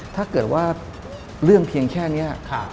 ถ้าเกิดว่าเรื่องเพียงแค่นี้